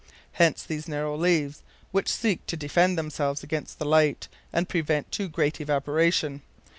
Hence these narrow leaves, which seek to defend themselves against the light, and prevent too great evaporation.